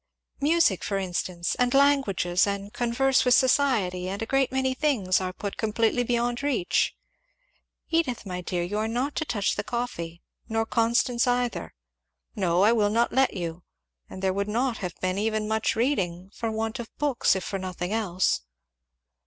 "Music, for instance, and languages, and converse with society, and a great many things, are put completely beyond reach; Edith, my dear, you are not to touch the coffee, nor Constance either, no I will not let you, And there could not be even much reading, for want of books if for nothing else.